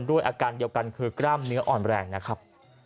ด้วยอาการเดียวกันคือกล้ามเนื้ออ่อนแรงนะครับ